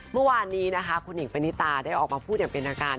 เมื่อวานนี้นะคะคุณหญิงปณิตาได้ออกมาพูดอย่างเป็นทางการ